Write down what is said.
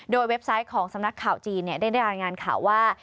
โดยเว็บไซต์ของสำนักข่าวจีนเนี่ยได้ได้อ่านงานข่าวว่า